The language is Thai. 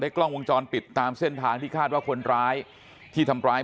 กล้องวงจรปิดตามเส้นทางที่คาดว่าคนร้ายที่ทำร้าย